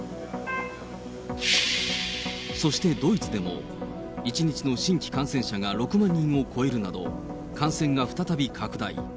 そしてドイツでも、１日の新規感染者が６万人を超えるなど、感染が再び拡大。